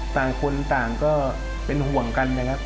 ต่างคนต่างก็เป็นห่วงกันนะครับ